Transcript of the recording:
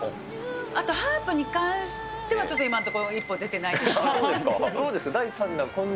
あと、ハープに関しては、ちょっと今のところ一歩出てないかな。